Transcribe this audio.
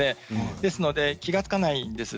ですので気が付かないんです。